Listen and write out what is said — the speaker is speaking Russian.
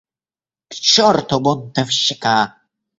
К чёрту бунтовщика!